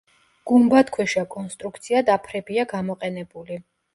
გუმბათქვეშა კონსტრუქციად აფრებია გამოყენებული.